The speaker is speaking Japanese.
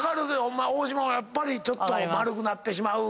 大島もやっぱりちょっと丸くなってしまう？